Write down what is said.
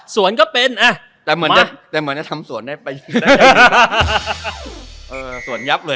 ก็เป็นอ่ะแต่เหมือนจะแต่เหมือนจะทำสวนได้ไปเออสวนยับเลย